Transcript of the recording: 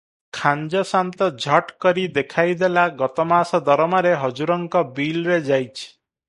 ଖାଞ୍ଜଶାନ୍ତ ଝଟ୍ କରି ଦେଖାଇ ଦେଲା ଗତମାସ- ଦରମାରେ ହଜୁରଙ୍କ ବିଲରେ ଯାଇଚି ।